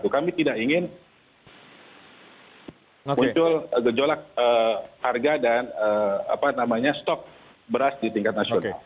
kami tidak ingin muncul gejolak harga dan stok beras di tingkat nasional